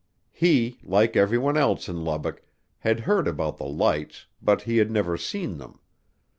He, like everyone else in Lubbock, had heard about the lights but he had never seen them.